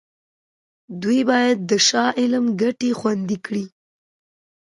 دوی باید د شاه عالم ګټې خوندي کړي.